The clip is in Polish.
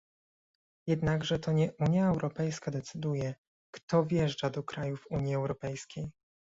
Jednakże to nie Unia Europejska decyduje, kto wjeżdża do krajów Unii Europejskiej